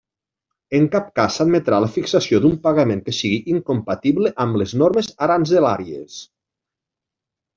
En cap cas s'admetrà la fixació d'un pagament que sigui incompatible amb les normes aranzelàries.